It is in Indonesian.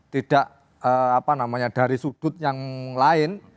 tidak apa namanya dari sudut yang lain